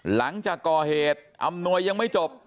หลังจากก่อเหตุอำนวยยังไม่จบ